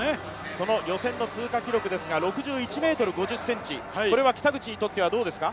その予選の通過記録ですが６１ｍ５０ｃｍこれは北口にとっては、どうですか？